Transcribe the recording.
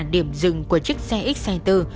chính là điểm dừng của chiếc xe xe xe tư